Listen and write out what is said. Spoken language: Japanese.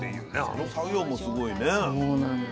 あの作業もすごいね。